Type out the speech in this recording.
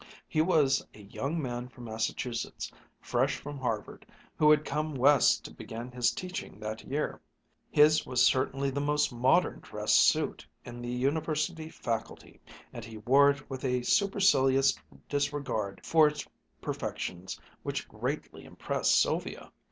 He was a young man from Massachusetts, fresh from Harvard, who had come West to begin his teaching that year. His was certainly the most modern dress suit in the University faculty; and he wore it with a supercilious disregard for its perfections which greatly impressed Sylvia.